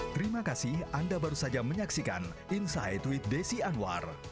terima kasih anda baru saja menyaksikan inside with desi anwar